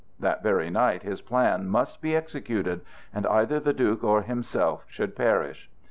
That very night his plan must be executed, and either the Duke or himself should perish.